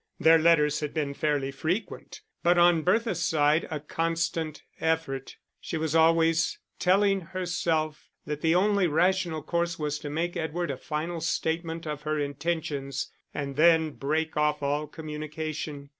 Their letters had been fairly frequent, but on Bertha's side a constant effort. She was always telling herself that the only rational course was to make Edward a final statement of her intentions, and then break off all communication.